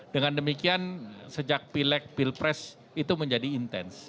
dengan demikian sejak pilek pilpres itu menjadi intens